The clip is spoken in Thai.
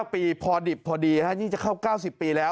๙ปีพอดิบพอดียิ่งจะเข้า๙๐ปีแล้ว